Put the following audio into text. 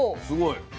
すごい。